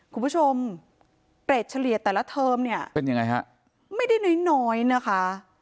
คุณผู้ชมเกรดเฉลี่ยแต่ละเทอมเนี่ยเป็นยังไงฮะไม่ได้น้อยน้อยนะคะ